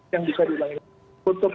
yang bisa dibangun untuk